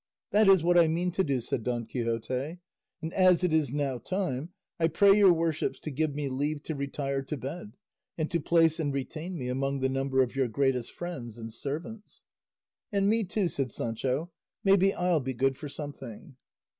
"That is what I mean to do," said Don Quixote; "and as it is now time, I pray your worships to give me leave to retire to bed, and to place and retain me among the number of your greatest friends and servants." "And me too," said Sancho; "maybe I'll be good for something."